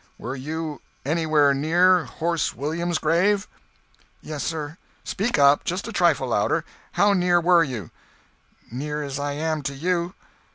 "Were you anywhere near Horse Williams' grave?" "Yes, sir." "Speak up—just a trifle louder. How near were you?" "Near as I am to you."